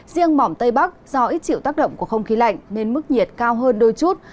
riêng mỏm tây bắc do ít chịu tác động của không khí lạnh nên mức nhiệt cao hơn đôi chút